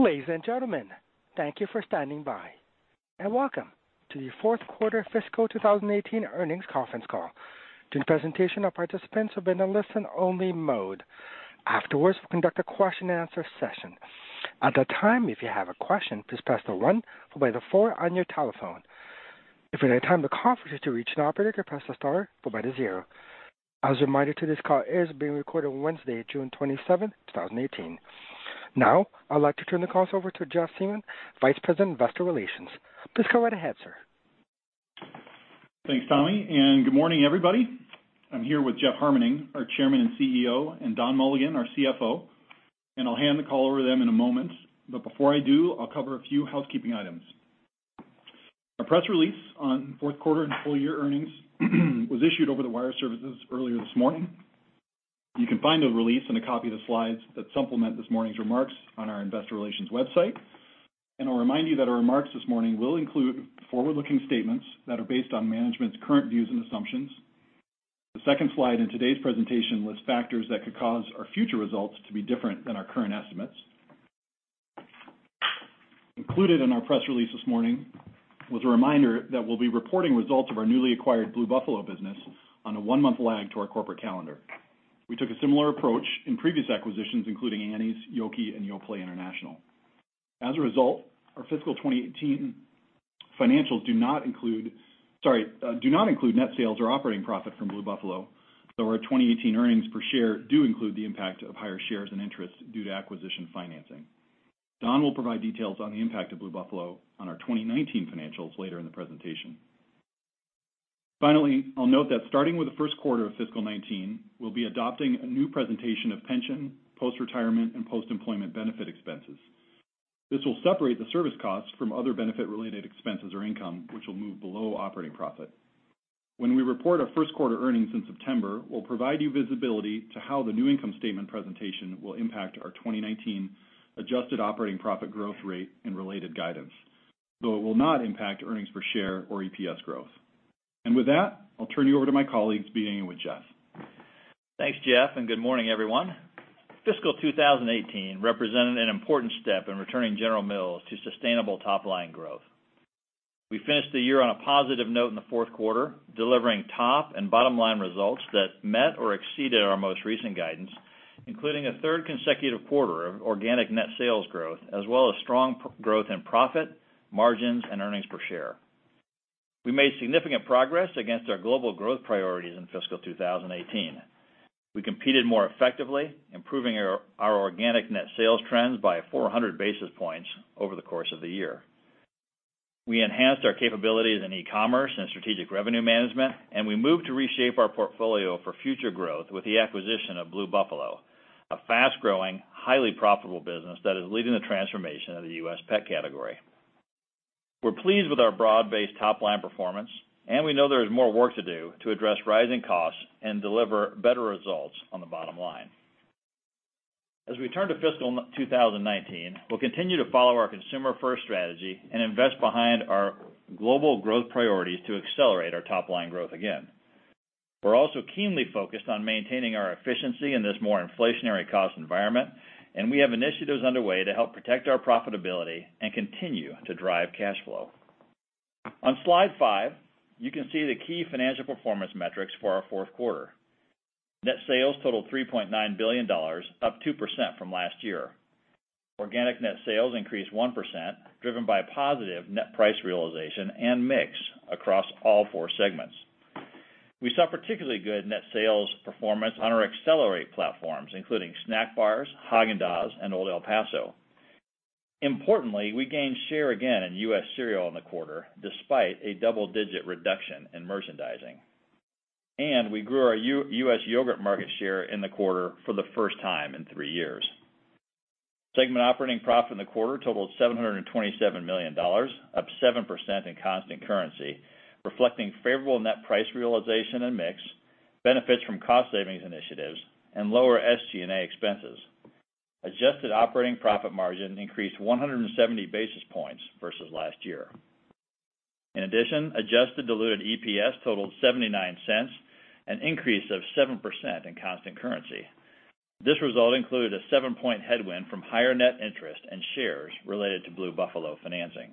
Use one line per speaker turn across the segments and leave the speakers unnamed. Ladies and gentlemen, thank you for standing by, and welcome to the fourth quarter fiscal 2018 earnings conference call. During the presentation, all participants will be in a listen-only mode. Afterwards, we'll conduct a question and answer session. At that time, if you have a question, please press the one followed by the four on your telephone. If at any time during the conference you wish to reach an operator, you can press the star followed by the zero. As a reminder, today's call is being recorded on Wednesday, June 27, 2018. Now, I'd like to turn the call over to Jeff Siemon, Vice President of Investor Relations. Please go right ahead, sir.
Thanks, Tommy, and good morning, everybody. I'm here with Jeff Harmening, our Chairman and CEO, and Don Mulligan, our CFO, and I'll hand the call over to them in a moment. Before I do, I'll cover a few housekeeping items. Our press release on fourth quarter and full year earnings was issued over the wire services earlier this morning. You can find a release and a copy of the slides that supplement this morning's remarks on our investor relations website. I'll remind you that our remarks this morning will include forward-looking statements that are based on management's current views and assumptions. The second slide in today's presentation lists factors that could cause our future results to be different than our current estimates. Included in our press release this morning was a reminder that we'll be reporting results of our newly acquired Blue Buffalo business on a one-month lag to our corporate calendar. We took a similar approach in previous acquisitions, including Annie's, Yoki, and Yoplait International. As a result, our fiscal 2018 financials do not include net sales or operating profit from Blue Buffalo, though our 2018 earnings per share do include the impact of higher shares and interest due to acquisition financing. Don will provide details on the impact of Blue Buffalo on our 2019 financials later in the presentation. Finally, I'll note that starting with the first quarter of fiscal 2019, we'll be adopting a new presentation of pension, post-retirement, and post-employment benefit expenses. This will separate the service cost from other benefit-related expenses or income, which will move below operating profit. When we report our first quarter earnings in September, we'll provide you visibility to how the new income statement presentation will impact our 2019 adjusted operating profit growth rate and related guidance, though it will not impact earnings per share or EPS growth. With that, I'll turn you over to my colleagues, beginning with Jeff.
Thanks, Jeff, and good morning, everyone. Fiscal 2018 represented an important step in returning General Mills to sustainable top-line growth. We finished the year on a positive note in the fourth quarter, delivering top and bottom-line results that met or exceeded our most recent guidance, including a third consecutive quarter of organic net sales growth, as well as strong growth in profit, margins, and earnings per share. We made significant progress against our global growth priorities in fiscal 2018. We competed more effectively, improving our organic net sales trends by 400 basis points over the course of the year. We enhanced our capabilities in e-commerce and strategic revenue management, and we moved to reshape our portfolio for future growth with the acquisition of Blue Buffalo, a fast-growing, highly profitable business that is leading the transformation of the U.S. pet category. We're pleased with our broad-based top-line performance, and we know there is more work to do to address rising costs and deliver better results on the bottom line. As we turn to fiscal 2019, we'll continue to follow our consumer-first strategy and invest behind our global growth priorities to accelerate our top-line growth again. We're also keenly focused on maintaining our efficiency in this more inflationary cost environment, and we have initiatives underway to help protect our profitability and continue to drive cash flow. On slide five, you can see the key financial performance metrics for our fourth quarter. Net sales totaled $3.9 billion, up 2% from last year. Organic net sales increased 1%, driven by positive net price realization and mix across all four segments. We saw particularly good net sales performance on our accelerate platforms, including snack bars, Häagen-Dazs, and Old El Paso. Importantly, we gained share again in U.S. cereal in the quarter, despite a double-digit reduction in merchandising. We grew our U.S. yogurt market share in the quarter for the first time in three years. Segment operating profit in the quarter totaled $727 million, up 7% in constant currency, reflecting favorable net price realization and mix, benefits from cost savings initiatives, and lower SG&A expenses. Adjusted operating profit margin increased 170 basis points versus last year. In addition, adjusted diluted EPS totaled $0.79, an increase of 7% in constant currency. This result included a seven-point headwind from higher net interest and shares related to Blue Buffalo financing.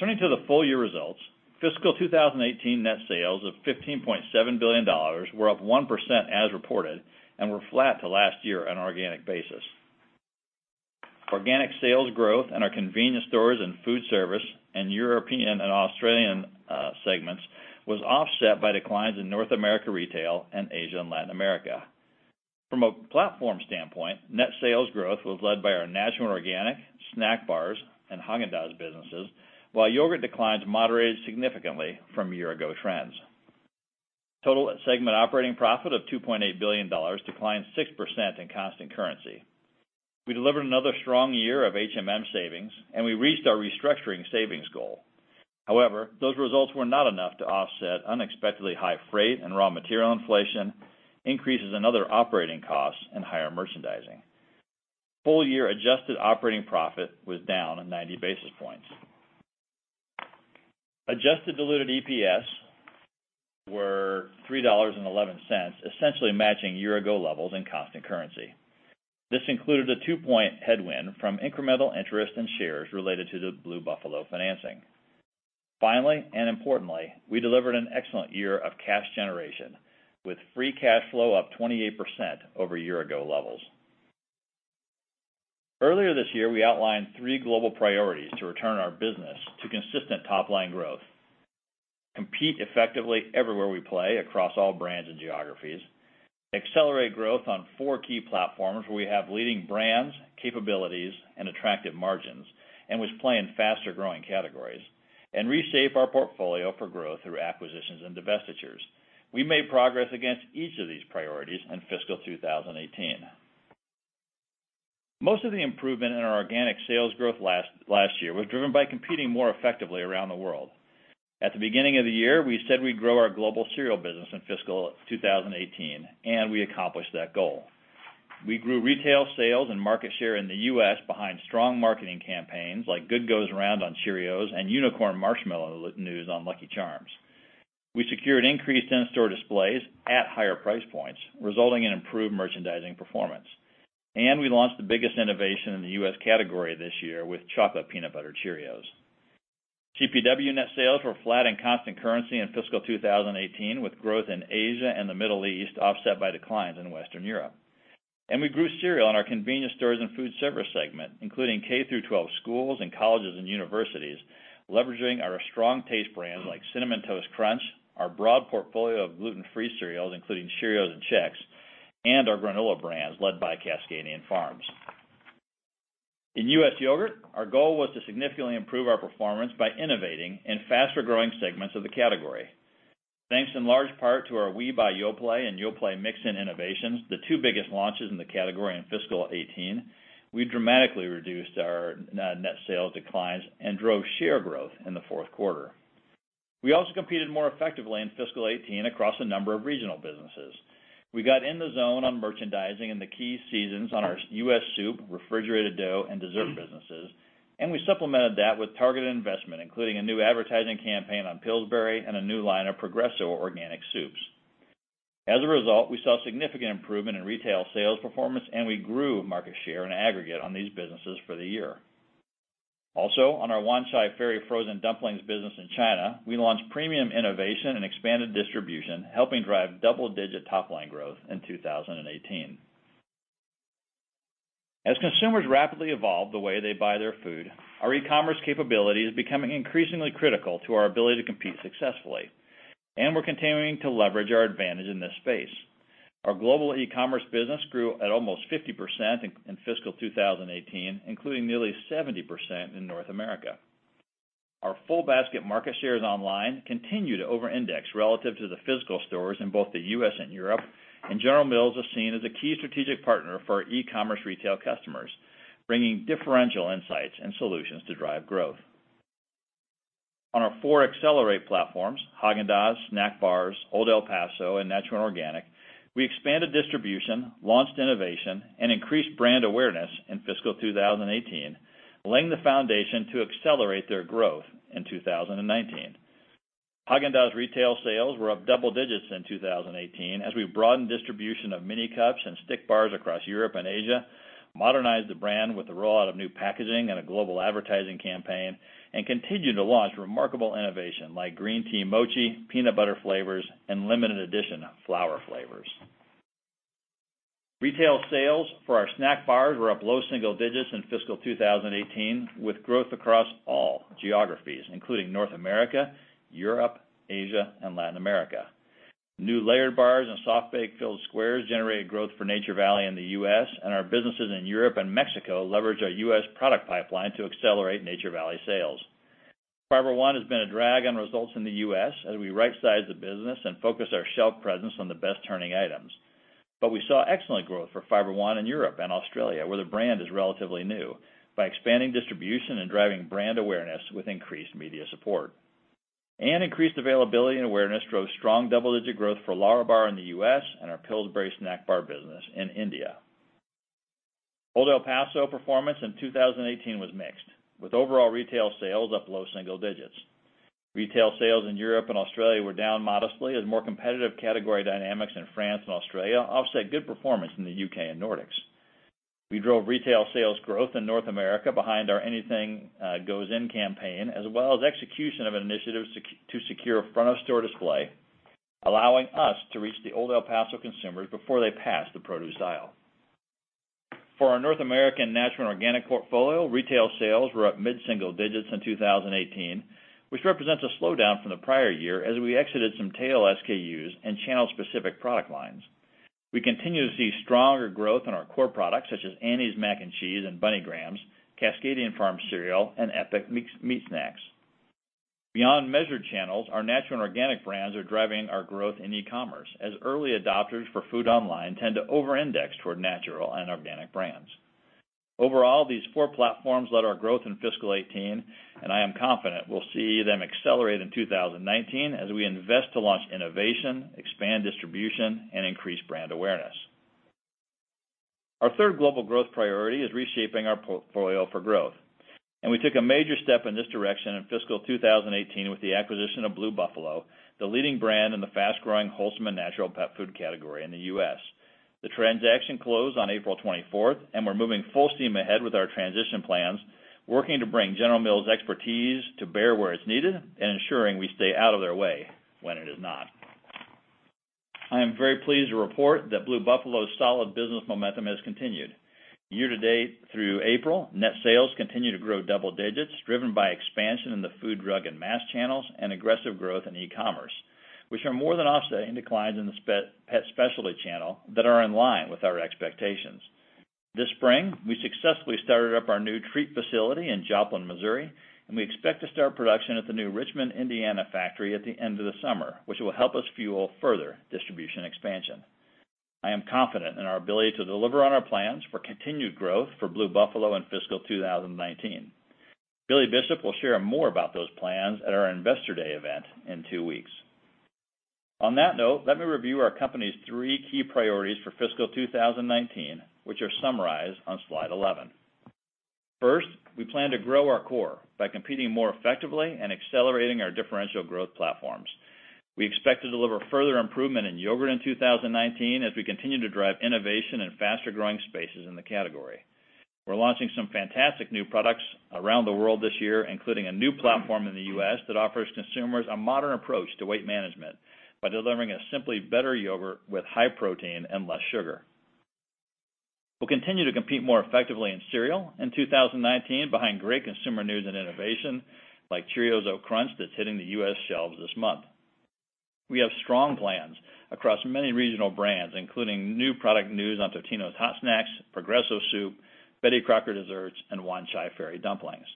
Turning to the full year results, fiscal 2018 net sales of $15.7 billion were up 1% as reported and were flat to last year on an organic basis. Organic sales growth in our Convenience Stores & Foodservice and Europe & Australia segments was offset by declines in North America Retail and Asia & Latin America. From a platform standpoint, net sales growth was led by our natural and organic snack bars and Häagen-Dazs businesses, while yogurt declines moderated significantly from year ago trends. Total segment operating profit of $2.8 billion declined 6% in constant currency. We delivered another strong year of HMM savings, and we reached our restructuring savings goal. Those results were not enough to offset unexpectedly high freight and raw material inflation, increases in other operating costs, and higher merchandising. Full year adjusted operating profit was down in 90 basis points. Adjusted diluted EPS were $3.11, essentially matching year-ago levels in constant currency. This included a two-point headwind from incremental interest and shares related to the Blue Buffalo financing. Finally, importantly, we delivered an excellent year of cash generation, with free cash flow up 28% over year-ago levels. Earlier this year, we outlined three global priorities to return our business to consistent top-line growth, compete effectively everywhere we play, across all brands and geographies, accelerate growth on four key platforms where we have leading brands, capabilities, and attractive margins and which play in faster-growing categories, and reshape our portfolio for growth through acquisitions and divestitures. We made progress against each of these priorities in fiscal 2018. Most of the improvement in our organic sales growth last year was driven by competing more effectively around the world. At the beginning of the year, we said we'd grow our global cereal business in fiscal 2018. We accomplished that goal. We grew retail sales and market share in the U.S. behind strong marketing campaigns like Good Goes Around on Cheerios and Unicorn Marshmallow news on Lucky Charms. We secured increased in-store displays at higher price points, resulting in improved merchandising performance. We launched the biggest innovation in the U.S. category this year with Chocolate Peanut Butter Cheerios. CPW net sales were flat in constant currency in fiscal 2018, with growth in Asia and the Middle East offset by declines in Western Europe. We grew cereal in our convenience stores and food service segment, including K-12 schools and colleges and universities, leveraging our strong taste brands like Cinnamon Toast Crunch, our broad portfolio of gluten-free cereals, including Cheerios and Chex, and our granola brands led by Cascadian Farm. In U.S. yogurt, our goal was to significantly improve our performance by innovating in faster-growing segments of the category. Thanks in large part to our Oui by Yoplait and Yoplait Mix-Ins innovations, the two biggest launches in the category in fiscal 2018, we dramatically reduced our net sales declines and drove share growth in the fourth quarter. We also competed more effectively in fiscal 2018 across a number of regional businesses. We got in the zone on merchandising in the key seasons on our U.S. soup, refrigerated dough, and dessert businesses. We supplemented that with targeted investment, including a new advertising campaign on Pillsbury and a new line of Progresso Organic Soups. As a result, we saw significant improvement in retail sales performance. We grew market share in aggregate on these businesses for the year. On our Wanchai Ferry frozen dumplings business in China, we launched premium innovation and expanded distribution, helping drive double-digit top-line growth in 2018. As consumers rapidly evolve the way they buy their food, our e-commerce capability is becoming increasingly critical to our ability to compete successfully. We're continuing to leverage our advantage in this space. Our global e-commerce business grew at almost 50% in fiscal 2018, including nearly 70% in North America. Our full-basket market shares online continue to over-index relative to the physical stores in both the U.S. and Europe. General Mills is seen as a key strategic partner for our e-commerce retail customers, bringing differential insights and solutions to drive growth. On our four accelerate platforms, Häagen-Dazs, snack bars, Old El Paso, and natural and organic, we expanded distribution, launched innovation, and increased brand awareness in fiscal 2018, laying the foundation to accelerate their growth in 2019. Häagen-Dazs retail sales were up double digits in 2018 as we broadened distribution of mini cups and stick bars across Europe and Asia, modernized the brand with the rollout of new packaging and a global advertising campaign, and continued to launch remarkable innovation like Green Tea Mochi, peanut butter flavors, and limited edition flower flavors. Retail sales for our snack bars were up low single digits in fiscal 2018, with growth across all geographies, including North America, Europe, Asia, and Latin America. New layered bars and soft-baked filled squares generated growth for Nature Valley in the U.S., and our businesses in Europe and Mexico leveraged our U.S. product pipeline to accelerate Nature Valley sales. Fiber One has been a drag on results in the U.S. as we rightsize the business and focus our shelf presence on the best-turning items. We saw excellent growth for Fiber One in Europe and Australia, where the brand is relatively new, by expanding distribution and driving brand awareness with increased media support. Increased availability and awareness drove strong double-digit growth for LÄRABAR in the U.S. and our Pillsbury snack bar business in India. Old El Paso performance in 2018 was mixed, with overall retail sales up low single digits. Retail sales in Europe and Australia were down modestly as more competitive category dynamics in France and Australia offset good performance in the U.K. and Nordics. We drove retail sales growth in North America behind our Anything Goes In campaign, as well as execution of initiatives to secure front-of-store display, allowing us to reach the Old El Paso consumers before they pass the produce aisle. For our North American natural and organic portfolio, retail sales were up mid-single digits in 2018, which represents a slowdown from the prior year as we exited some tail SKUs and channel-specific product lines. We continue to see stronger growth in our core products such as Annie's mac and cheese and Bunny Grahams, Cascadian Farm cereal, and Epic mixed meat snacks. Beyond measured channels, our natural and organic brands are driving our growth in e-commerce as early adopters for food online tend to over-index toward natural and organic brands. Overall, these four platforms led our growth in fiscal 2018, and I am confident we'll see them accelerate in 2019 as we invest to launch innovation, expand distribution, and increase brand awareness. Our third global growth priority is reshaping our portfolio for growth. We took a major step in this direction in fiscal 2018 with the acquisition of Blue Buffalo, the leading brand in the fast-growing wholesome and natural pet food category in the U.S. The transaction closed on April 24th. We're moving full steam ahead with our transition plans, working to bring General Mills' expertise to bear where it's needed and ensuring we stay out of their way when it is not. I am very pleased to report that Blue Buffalo's solid business momentum has continued. Year to date through April, net sales continue to grow double digits, driven by expansion in the Food, Drug, and Mass channels, and aggressive growth in e-commerce, which are more than offsetting declines in the pet specialty channel that are in line with our expectations. This spring, we successfully started up our new treat facility in Joplin, Missouri, and we expect to start production at the new Richmond, Indiana factory at the end of the summer, which will help us fuel further distribution expansion. I am confident in our ability to deliver on our plans for continued growth for Blue Buffalo in fiscal 2019. Billy will share more about those plans at our Investor Day event in two weeks. On that note, let me review our company's three key priorities for fiscal 2019, which are summarized on slide 11. First, we plan to grow our core by competing more effectively and accelerating our differential growth platforms. We expect to deliver further improvement in yogurt in 2019 as we continue to drive innovation in faster-growing spaces in the category. We're launching some fantastic new products around the world this year, including a new platform in the U.S. that offers consumers a modern approach to weight management by delivering a Simply Better yogurt with high protein and less sugar. We'll continue to compete more effectively in cereal in 2019 behind great consumer news and innovation like Cheerios Oat Crunch that's hitting the U.S. shelves this month. We have strong plans across many regional brands, including new product news on Totino's Hot Snacks, Progresso Soup, Betty Crocker Desserts, and Wanchai Ferry dumplings.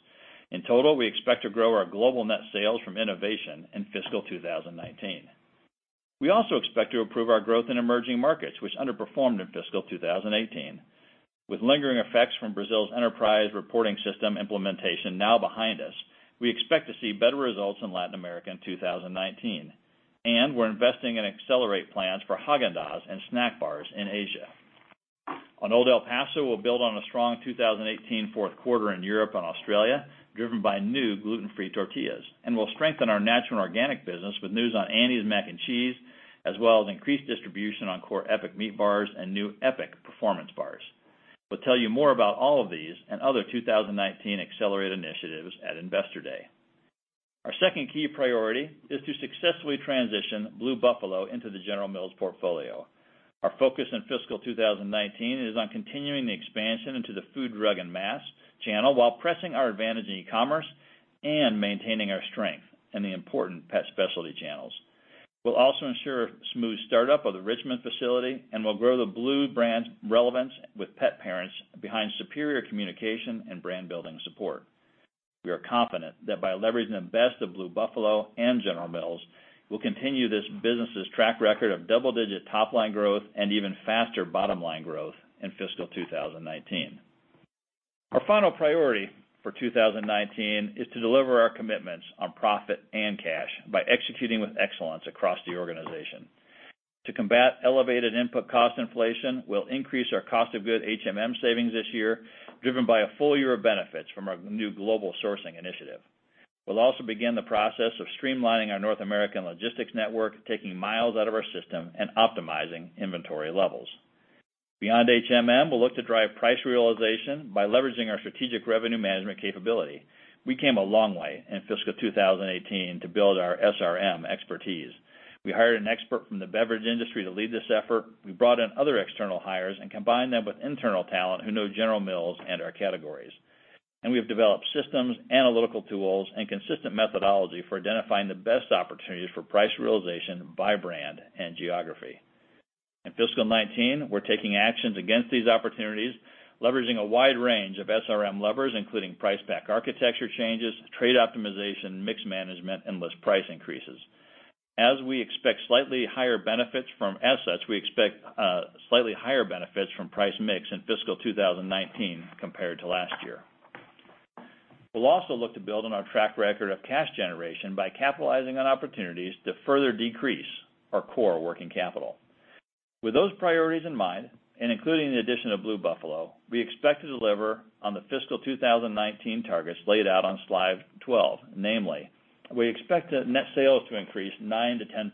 In total, we expect to grow our global net sales from innovation in fiscal 2019. We also expect to improve our growth in emerging markets, which underperformed in fiscal 2018. With lingering effects from Brazil's enterprise reporting system implementation now behind us, we expect to see better results in Latin America in 2019. We're investing in accelerate plans for Häagen-Dazs and snack bars in Asia. On Old El Paso, we'll build on a strong 2018 fourth quarter in Europe & Australia, driven by new gluten-free tortillas, and we'll strengthen our natural and organic business with news on Annie's mac and cheese, as well as increased distribution on core EPIC meat bars and new EPIC Performance Bars. We'll tell you more about all of these and other 2019 accelerate initiatives at Investor Day. Our second key priority is to successfully transition Blue Buffalo into the General Mills portfolio. Our focus in fiscal 2019 is on continuing the expansion into the food, drug, and mass channel while pressing our advantage in e-commerce and maintaining our strength in the important pet specialty channels. We'll also ensure smooth startup of the Richmond facility, and we'll grow the Blue brand's relevance with pet parents behind superior communication and brand-building support. We are confident that by leveraging the best of Blue Buffalo and General Mills, we'll continue this business's track record of double-digit top-line growth and even faster bottom-line growth in fiscal 2019. Our final priority for 2019 is to deliver our commitments on profit and cash by executing with excellence across the organization. To combat elevated input cost inflation, we'll increase our cost of goods HMM savings this year, driven by a full year of benefits from our new global sourcing initiative. We'll also begin the process of streamlining our North American logistics network, taking miles out of our system and optimizing inventory levels. Beyond HMM, we'll look to drive price realization by leveraging our strategic revenue management capability. We came a long way in fiscal 2018 to build our SRM expertise. We hired an expert from the beverage industry to lead this effort. We brought in other external hires and combined them with internal talent who know General Mills and our categories. We have developed systems, analytical tools, and consistent methodology for identifying the best opportunities for price realization by brand and geography. In fiscal 2019, we're taking actions against these opportunities, leveraging a wide range of SRM levers, including Price Pack Architecture changes, trade optimization, mix management, and list price increases. As we expect slightly higher benefits from assets, we expect slightly higher benefits from price mix in fiscal 2019 compared to last year. We'll also look to build on our track record of cash generation by capitalizing on opportunities to further decrease our core working capital. With those priorities in mind, including the addition of Blue Buffalo, we expect to deliver on the fiscal 2019 targets laid out on slide 12. Namely, we expect net sales to increase 9%-10%.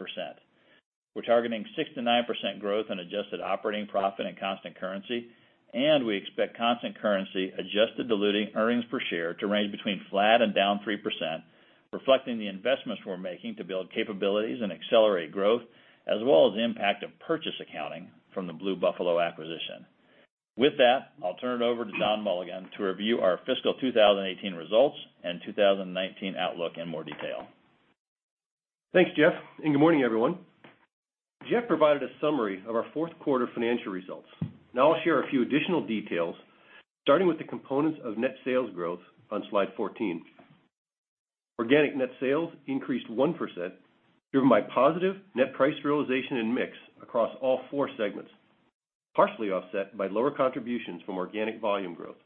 We're targeting 6%-9% growth in adjusted operating profit in constant currency, and we expect constant currency adjusted diluted earnings per share to range between flat and down 3%, reflecting the investments we're making to build capabilities and accelerate growth, as well as the impact of purchase accounting from the Blue Buffalo acquisition. With that, I'll turn it over to Don Mulligan to review our fiscal 2018 results and 2019 outlook in more detail.
Thanks, Jeff, and good morning, everyone. Jeff provided a summary of our fourth quarter financial results. I'll share a few additional details, starting with the components of net sales growth on Slide 14. Organic net sales increased 1%, driven by positive net price realization and mix across all four segments, partially offset by lower contributions from organic volume growth.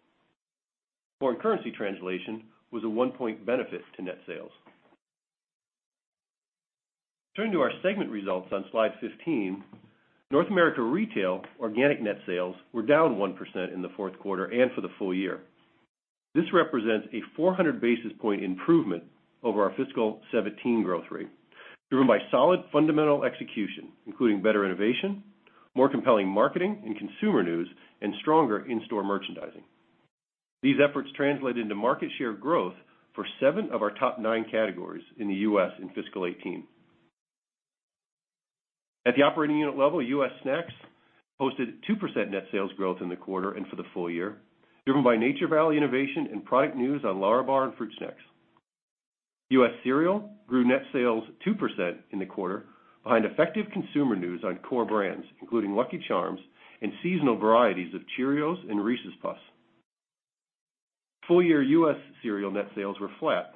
Foreign currency translation was a one-point benefit to net sales. Turning to our segment results on slide 15, North America Retail organic net sales were down 1% in the fourth quarter and for the full year. This represents a 400 basis point improvement over our fiscal 2017 growth rate, driven by solid fundamental execution, including better innovation, more compelling marketing and consumer news, and stronger in-store merchandising. These efforts translate into market share growth for seven of our top nine categories in the U.S. in fiscal 2018. At the operating unit level, U.S. Snacks posted 2% net sales growth in the quarter and for the full year, driven by Nature Valley innovation and product news on LÄRABAR and Fruit Snacks. U.S. Morning Foods grew net sales 2% in the quarter behind effective consumer news on core brands, including Lucky Charms and seasonal varieties of Cheerios and Reese's Puffs. Full-year U.S. Morning Foods net sales were flat,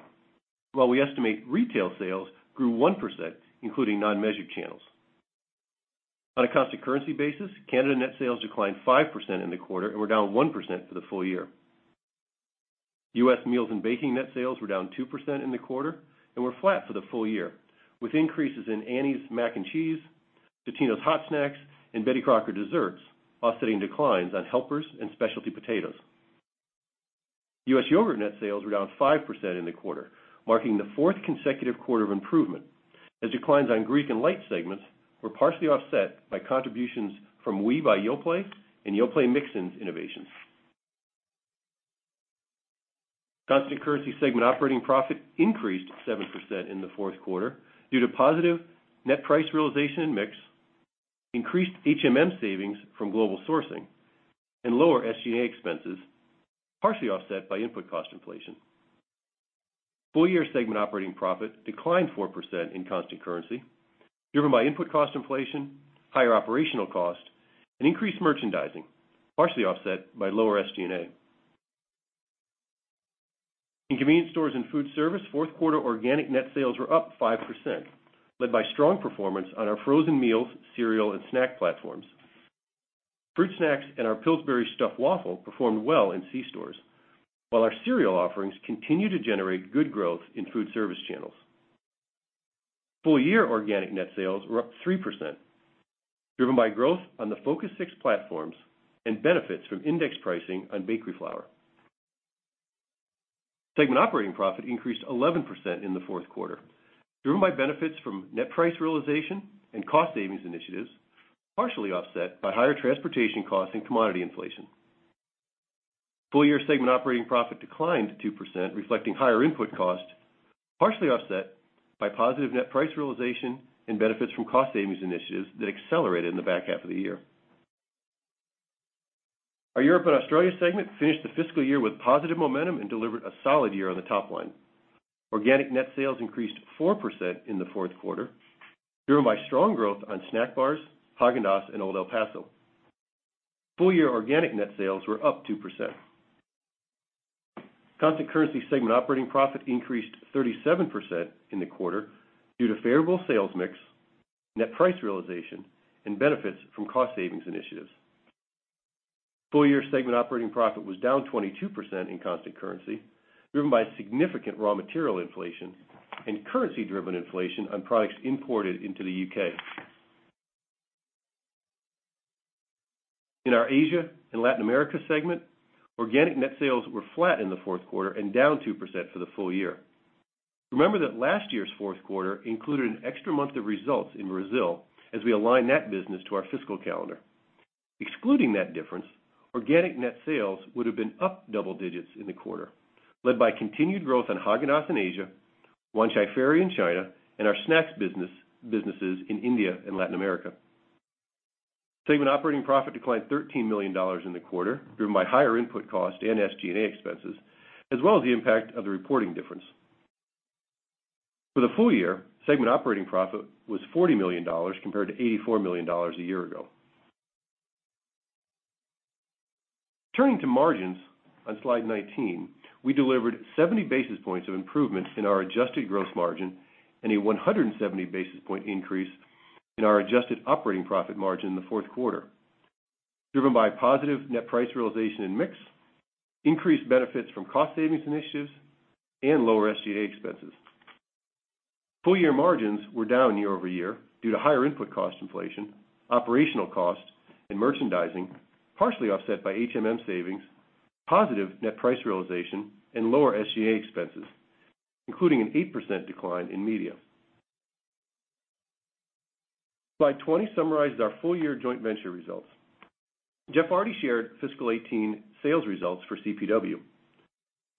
while we estimate retail sales grew 1%, including non-measured channels. On a constant currency basis, Canada net sales declined 5% in the quarter and were down 1% for the full year. U.S. Meals & Baking net sales were down 2% in the quarter and were flat for the full year, with increases in Annie's mac and cheese, Totino's hot snacks, and Betty Crocker desserts offsetting declines on Helper and specialty potatoes. U.S. Yogurt net sales were down 5% in the quarter, marking the fourth consecutive quarter of improvement, as declines on Greek and light segments were partially offset by contributions from YQ by Yoplait and Yoplait Mix-Ins innovations. Constant currency segment operating profit increased 7% in the fourth quarter due to positive net price realization and mix, increased HMM savings from global sourcing, and lower SG&A expenses, partially offset by input cost inflation. Full-year segment operating profit declined 4% in constant currency, driven by input cost inflation, higher operational cost, and increased merchandising, partially offset by lower SG&A. In convenience stores and food service, fourth quarter organic net sales were up 5%, led by strong performance on our frozen meals, cereal, and snack platforms. Fruit Snacks and our Pillsbury Stuffed Waffle performed well in C stores, while our cereal offerings continue to generate good growth in food service channels. Full-year organic net sales were up 3%, driven by growth on the Focus 6 platforms and benefits from index pricing on bakery flour. Segment operating profit increased 11% in the fourth quarter, driven by benefits from net price realization and cost savings initiatives, partially offset by higher transportation costs and commodity inflation. Full-year segment operating profit declined 2%, reflecting higher input cost, partially offset by positive net price realization and benefits from cost savings initiatives that accelerated in the back half of the year. Our Europe & Australia segment finished the fiscal year with positive momentum and delivered a solid year on the top line. Organic net sales increased 4% in the fourth quarter, driven by strong growth on snack bars, Häagen-Dazs, and Old El Paso. Full-year organic net sales were up 2%. Constant currency segment operating profit increased 37% in the quarter due to favorable sales mix, net price realization, and benefits from cost savings initiatives. Full-year segment operating profit was down 22% in constant currency, driven by significant raw material inflation and currency-driven inflation on products imported into the U.K. In our Asia & Latin America segment, organic net sales were flat in the fourth quarter and down 2% for the full year. Remember that last year's fourth quarter included an extra month of results in Brazil as we align that business to our fiscal calendar. Excluding that difference, organic net sales would have been up double digits in the quarter, led by continued growth on Häagen-Dazs in Asia, Wanchai Ferry in China, and our snacks businesses in India and Latin America. Segment operating profit declined $13 million in the quarter due to higher input cost and SG&A expenses, as well as the impact of the reporting difference. For the full year, segment operating profit was $40 million compared to $84 million a year ago. Turning to margins on slide 19, we delivered 70 basis points of improvement in our adjusted gross margin and a 170 basis point increase in our adjusted operating profit margin in the fourth quarter, driven by positive net price realization and mix, increased benefits from cost savings initiatives, and lower SG&A expenses. Full-year margins were down year-over-year due to higher input cost inflation, operational cost, and merchandising, partially offset by HMM savings, positive net price realization, and lower SG&A expenses, including an 8% decline in media. Slide 20 summarizes our full-year joint venture results. Jeff already shared fiscal 2018 sales results for CPW.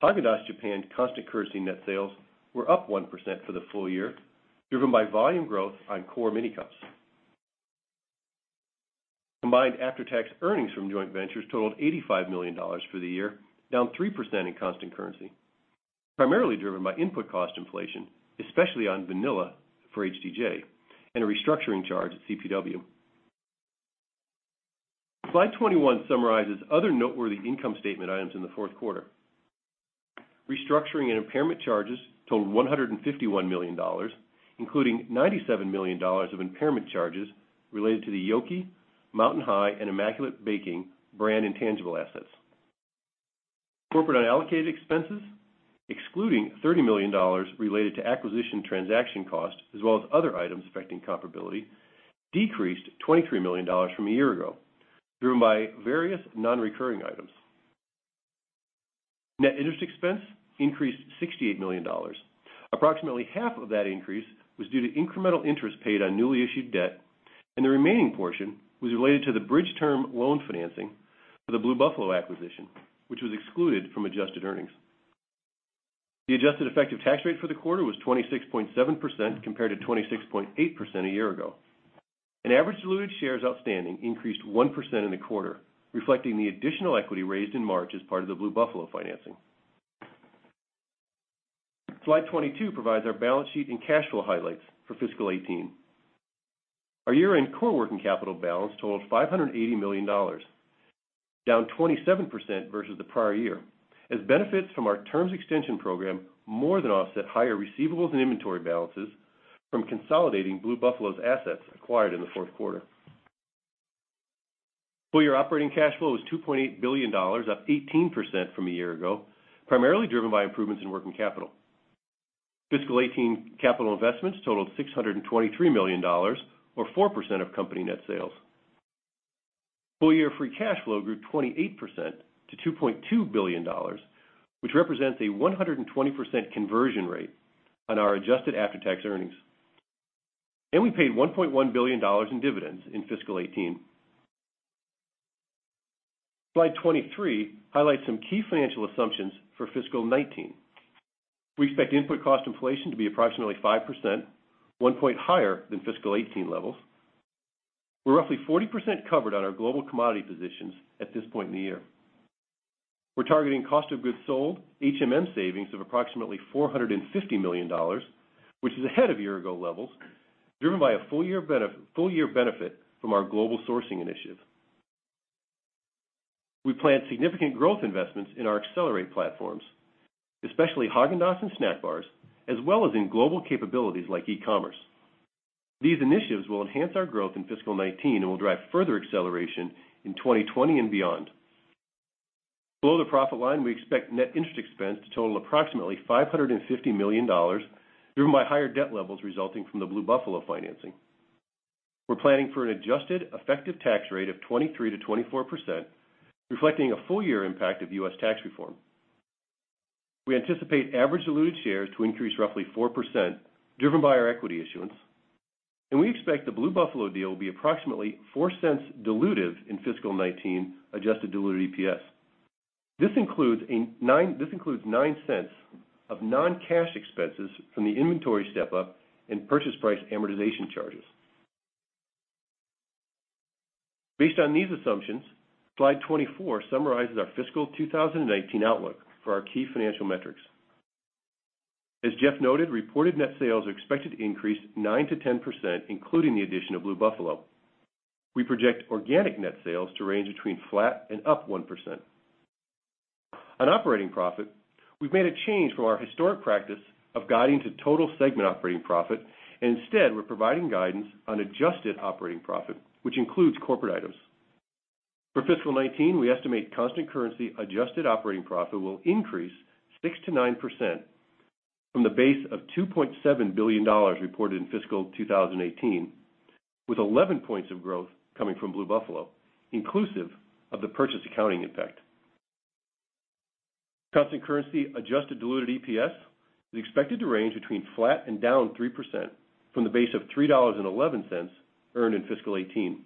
Häagen-Dazs Japan constant currency net sales were up 1% for the full year, driven by volume growth on core mini cups. Combined after-tax earnings from joint ventures totaled $85 million for the year, down 3% in constant currency, primarily driven by input cost inflation, especially on vanilla for HDJ, and a restructuring charge at CPW. Slide 21 summarizes other noteworthy income statement items in the fourth quarter. Restructuring and impairment charges totaled $151 million, including $97 million of impairment charges related to the Yoki, Mountain High, and Immaculate Baking brand intangible assets. Corporate unallocated expenses, excluding $30 million related to acquisition transaction costs as well as other items affecting comparability, decreased $23 million from a year ago, driven by various non-recurring items. Net interest expense increased $68 million. Approximately half of that increase was due to incremental interest paid on newly issued debt, and the remaining portion was related to the bridge term loan financing for the Blue Buffalo acquisition, which was excluded from adjusted earnings. The adjusted effective tax rate for the quarter was 26.7% compared to 26.8% a year ago. Average diluted shares outstanding increased 1% in the quarter, reflecting the additional equity raised in March as part of the Blue Buffalo financing. Slide 22 provides our balance sheet and cash flow highlights for fiscal 2018. Our year-end core working capital balance totaled $580 million, down 27% versus the prior year, as benefits from our terms extension program more than offset higher receivables and inventory balances from consolidating Blue Buffalo's assets acquired in the fourth quarter. Full-year operating cash flow was $2.8 billion, up 18% from a year ago, primarily driven by improvements in working capital. Fiscal 2018 capital investments totaled $623 million or 4% of company net sales. Full-year free cash flow grew 28% to $2.2 billion, which represents a 120% conversion rate on our adjusted after-tax earnings. We paid $1.1 billion in dividends in fiscal 2018. Slide 23 highlights some key financial assumptions for fiscal 2019. We expect input cost inflation to be approximately 5%, one point higher than fiscal 2018 levels. We're roughly 40% covered on our global commodity positions at this point in the year. We're targeting cost of goods sold HMM savings of approximately $450 million, which is ahead of year-ago levels, driven by a full year benefit from our global sourcing initiative. We plan significant growth investments in our accelerate platforms, especially Häagen-Dazs and snack bars, as well as in global capabilities like e-commerce. These initiatives will enhance our growth in fiscal 2019 and will drive further acceleration in 2020 and beyond. Below the profit line, we expect net interest expense to total approximately $550 million, driven by higher debt levels resulting from the Blue Buffalo financing. We're planning for an adjusted effective tax rate of 23%-24%, reflecting a full year impact of U.S. tax reform. We anticipate average diluted shares to increase roughly 4%, driven by our equity issuance. We expect the Blue Buffalo deal will be approximately $0.04 dilutive in fiscal 2019 adjusted diluted EPS. This includes $0.09 of non-cash expenses from the inventory step-up and purchase price amortization charges. Based on these assumptions, slide 24 summarizes our fiscal 2019 outlook for our key financial metrics. As Jeff noted, reported net sales are expected to increase 9%-10%, including the addition of Blue Buffalo. We project organic net sales to range between flat and up 1%. On operating profit, we have made a change from our historic practice of guiding to total segment operating profit. Instead, we are providing guidance on adjusted operating profit, which includes corporate items. For fiscal 2019, we estimate constant currency adjusted operating profit will increase 6%-9% from the base of $2.7 billion reported in fiscal 2018, with 11 points of growth coming from Blue Buffalo, inclusive of the purchase accounting impact. Constant currency adjusted diluted EPS is expected to range between flat and down 3% from the base of $3.11 earned in fiscal 2018.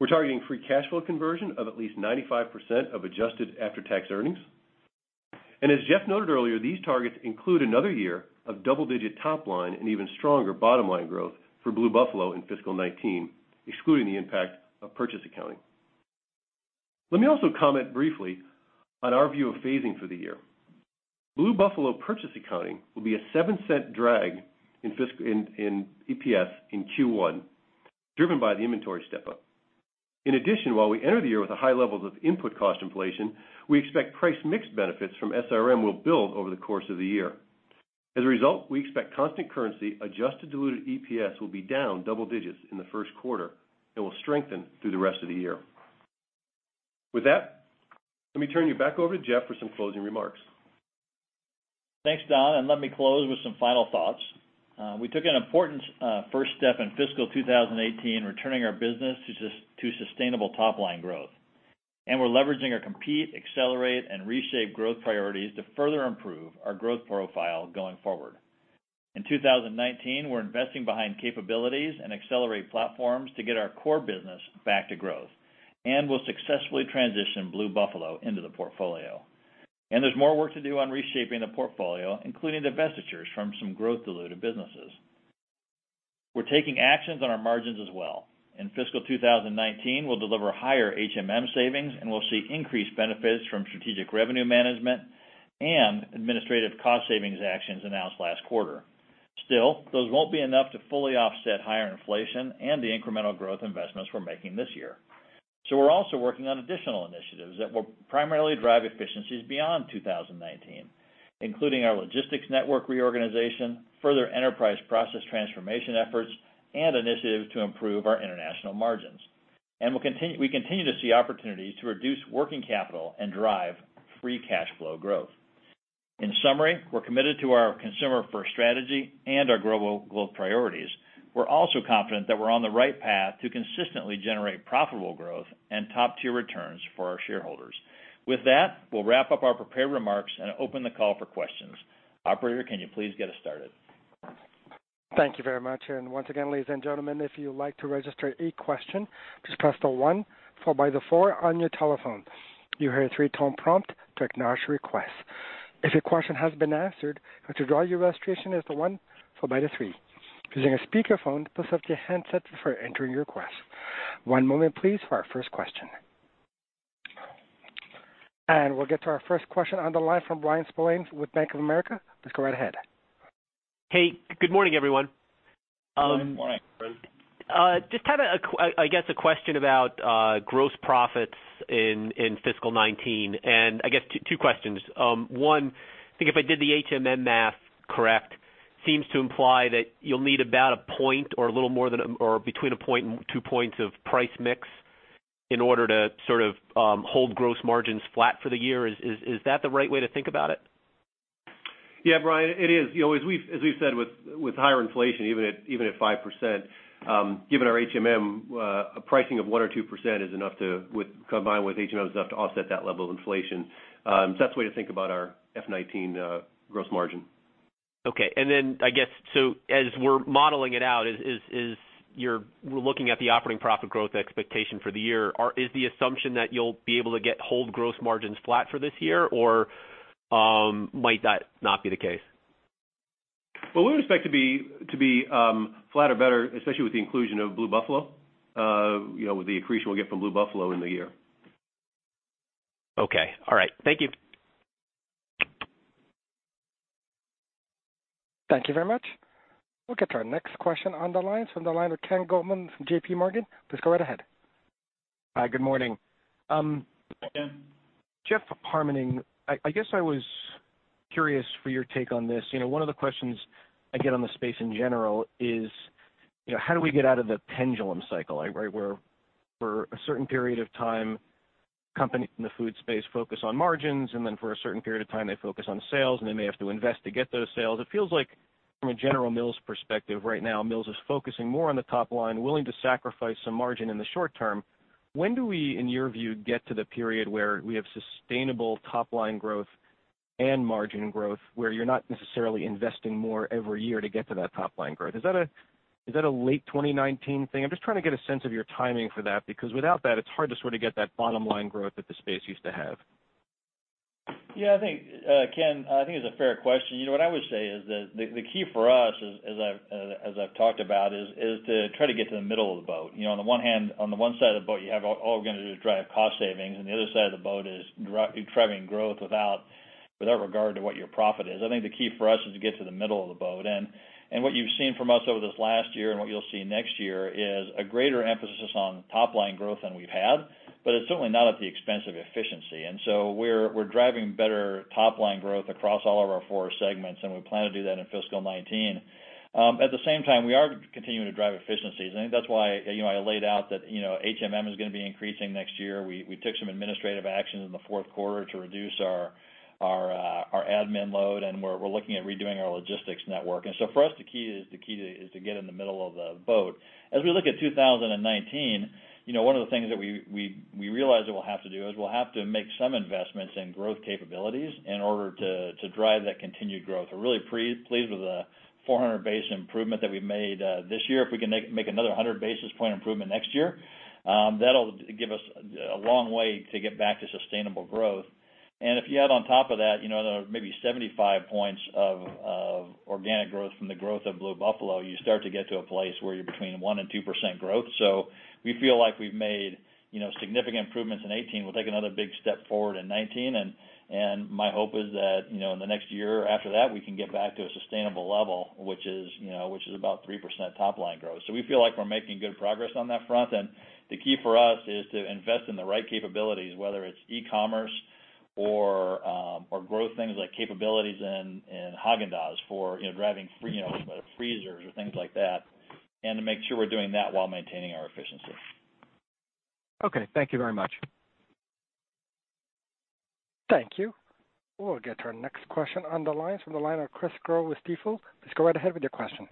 We are targeting free cash flow conversion of at least 95% of adjusted after-tax earnings. As Jeff noted earlier, these targets include another year of double-digit top line and even stronger bottom line growth for Blue Buffalo in fiscal 2019, excluding the impact of purchase accounting. Let me also comment briefly on our view of phasing for the year. Blue Buffalo purchase accounting will be a $0.07 drag in EPS in Q1, driven by the inventory step-up. In addition, while we enter the year with high levels of input cost inflation, we expect price mix benefits from SRM will build over the course of the year. As a result, we expect constant currency adjusted diluted EPS will be down double digits in the first quarter and will strengthen through the rest of the year. With that, let me turn you back over to Jeff for some closing remarks.
Thanks, Don, let me close with some final thoughts. We took an important first step in fiscal 2018, returning our business to sustainable top-line growth. We are leveraging our compete, accelerate, and reshape growth priorities to further improve our growth profile going forward. In 2019, we are investing behind capabilities and accelerate platforms to get our core business back to growth. We will successfully transition Blue Buffalo into the portfolio. There is more work to do on reshaping the portfolio, including divestitures from some growth dilutive businesses. We are taking actions on our margins as well. In fiscal 2019, we will deliver higher HMM savings, we will see increased benefits from strategic revenue management and administrative cost savings actions announced last quarter. Still, those will not be enough to fully offset higher inflation and the incremental growth investments we are making this year. We are also working on additional initiatives that will primarily drive efficiencies beyond 2019. Including our logistics network reorganization, further enterprise process transformation efforts, initiatives to improve our international margins. We continue to see opportunities to reduce working capital and drive free cash flow growth. In summary, we are committed to our consumer-first strategy and our global growth priorities. We are also confident that we are on the right path to consistently generate profitable growth and top-tier returns for our shareholders. With that, we will wrap up our prepared remarks and open the call for questions. Operator, can you please get us started?
Thank you very much. Once again, ladies and gentlemen, if you would like to register a question, just press the one followed by the four on your telephone. You'll hear a three-tone prompt to acknowledge your request. If your question has been answered, and to withdraw your registration, hit the one followed by the three. Using a speakerphone, please mute your handsets before entering your request. One moment please for our first question. We'll get to our first question on the line from Bryan Spillane with Bank of America. Please go right ahead.
Hey, good morning, everyone.
Good morning, Bryan.
Just I guess a question about gross profits in fiscal 2019, and I guess two questions. One, I think if I did the HMM math correct, seems to imply that you'll need about a point or between a point and two points of price mix in order to sort of hold gross margins flat for the year. Is that the right way to think about it?
Yeah, Bryan, it is. As we've said, with higher inflation, even at 5%, given our HMM, a pricing of 1% or 2% combined with HMM is enough to offset that level of inflation. That's the way to think about our FY 2019 gross margin.
Okay. I guess, as we're modeling it out, as we're looking at the operating profit growth expectation for the year, is the assumption that you'll be able to hold gross margins flat for this year, or might that not be the case?
Well, we would expect to be flat or better, especially with the accretion we'll get from Blue Buffalo in the year.
Okay. All right. Thank you.
Thank you very much. We'll get to our next question on the line from the line of Ken Goldman from J.P. Morgan. Please go right ahead.
Hi, good morning.
Hi, Ken.
Jeff Harmening, I guess I was curious for your take on this. One of the questions I get on the space in general is how do we get out of the pendulum cycle, right? Where for a certain period of time, companies in the food space focus on margins, and then for a certain period of time, they focus on sales, and they may have to invest to get those sales. It feels like from a General Mills perspective right now, Mills is focusing more on the top line, willing to sacrifice some margin in the short term. When do we, in your view, get to the period where we have sustainable top-line growth and margin growth, where you're not necessarily investing more every year to get to that top-line growth? Is that a late 2019 thing? I'm just trying to get a sense of your timing for that, because without that, it's hard to sort of get that bottom-line growth that the space used to have.
Yeah, Ken, I think it's a fair question. What I would say is that the key for us, as I've talked about, is to try to get to the middle of the boat. On the one side of the boat, you have all we're going to do to drive cost savings, and the other side of the boat is driving growth without regard to what your profit is. I think the key for us is to get to the middle of the boat. What you've seen from us over this last year and what you'll see next year is a greater emphasis on top-line growth than we've had, but it's certainly not at the expense of efficiency. We're driving better top-line growth across all of our four segments, and we plan to do that in fiscal 2019. At the same time, we are continuing to drive efficiencies, and I think that's why I laid out that HMM is going to be increasing next year. We took some administrative actions in the fourth quarter to reduce our admin load, and we're looking at redoing our logistics network. For us, the key is to get in the middle of the boat. As we look at 2019, one of the things that we realize that we'll have to do is we'll have to make some investments in growth capabilities in order to drive that continued growth. We're really pleased with the 400 basis point improvement that we've made this year. If we can make another 100 basis point improvement next year, that'll give us a long way to get back to sustainable growth. If you add on top of that, maybe 75 points of organic growth from the growth of Blue Buffalo, you start to get to a place where you're between 1%-2% growth. We feel like we've made significant improvements in 2018. We'll take another big step forward in 2019, and my hope is that in the next year after that, we can get back to a sustainable level, which is about 3% top-line growth. We feel like we're making good progress on that front. The key for us is to invest in the right capabilities, whether it's e-commerce or growth things like capabilities in Häagen-Dazs for driving freezers or things like that, and to make sure we're doing that while maintaining our efficiency.
Okay. Thank you very much.
Thank you. We'll get to our next question on the line from Chris Growe with Stifel. Please go right ahead with your question.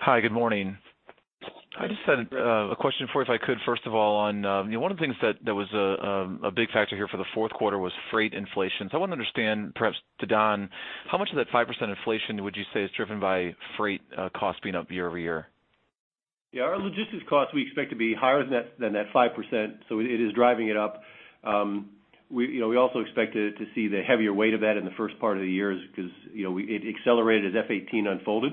Hi, good morning. I just had a question for you, if I could, first of all, on one of the things that was a big factor here for the fourth quarter was freight inflation. I wanted to understand, perhaps to Don, how much of that 5% inflation would you say is driven by freight costs being up year-over-year?
Our logistics costs, we expect to be higher than that 5%, so it is driving it up. We also expect to see the heavier weight of that in the first part of the year because it accelerated as FY 2018 unfolded.